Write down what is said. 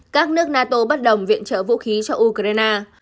các nước nato bắt đồng viện trợ vũ khí cho ukraine